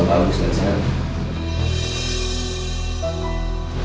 gak usah amu murid